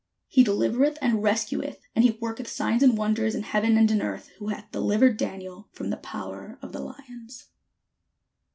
He delivereth and rescueth, and he worketh signs and wonders in heaven and in earth, who hath delivered Daniel from the power of the lions."